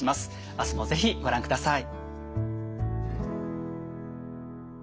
明日も是非ご覧ください。